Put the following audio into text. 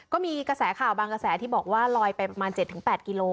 ก็มีกระแสข่าวบางกระแสที่บอกว่าลอยไปประมาณ๗๘กิโล